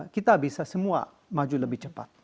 kita bisa semua maju lebih cepat